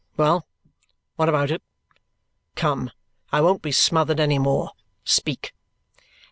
Well? What about it? Come, I won't be smothered any more. Speak!"